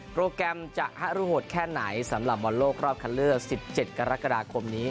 โปรแกรมจะฮารุโหดแค่ไหนสำหรับบอลโลกรอบคันเลือก๑๗กรกฎาคมนี้